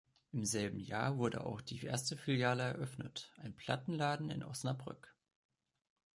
Im selben Jahr wurde auch die erste Filiale eröffnet, ein Plattenladen in Osnabrück.